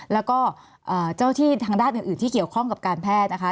แล้วก็เจ้าที่ทางด้านอื่นที่เกี่ยวข้องกับการแพทย์นะคะ